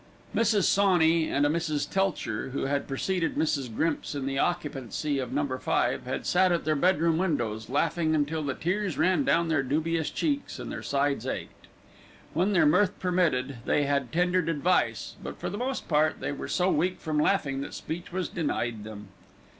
Mrs. Sawney and a Mrs. Telcher, who had preceded Mrs. Grimps in the occupancy of No. 5, had sat at their bedroom windows, laughing until the tears ran down their dubious cheeks and their sides ached. When their mirth permitted, they had tendered advice; but for the most part they were so weak from laughing that speech was denied them.